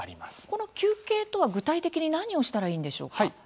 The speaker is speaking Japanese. この休憩とは具体的に何をしたらいいんでしょうか？